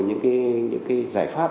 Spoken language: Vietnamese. những cái giải pháp